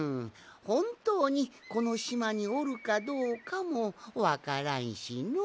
ほんとうにこのしまにおるかどうかもわからんしのう。